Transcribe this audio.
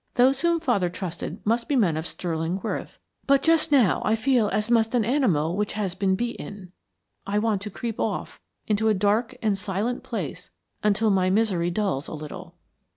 Those whom father trusted must be men of sterling worth, but just now I feel as must an animal which has been beaten. I want to creep off into a dark and silent place until my misery dulls a little."